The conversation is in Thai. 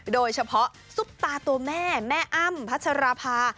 โดยเฉพาะซุปตาตัวแม่แม่อ้ำพัชรภา